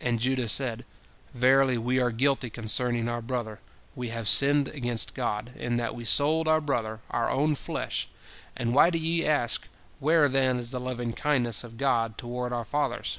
And Judah said, "Verily, we are guilty concerning our brother, we have sinned against God, in that we sold our brother, our own flesh, and why do ye ask, Where, then, is the lovingkindness of God toward our fathers?"